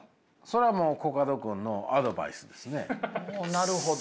なるほど。